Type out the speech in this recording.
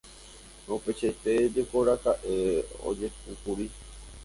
Upeichaite jekoraka'e ojehúkuri.